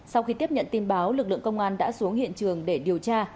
sau khi tiếp nhận tin báo lực lượng công an đã xuống hiện trường để điều tra